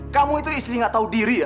kamu itu istri gak tahu diri ya